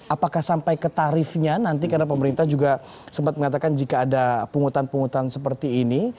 apakah sampai ke tarifnya nanti karena pemerintah juga sempat mengatakan jika ada pungutan pungutan seperti ini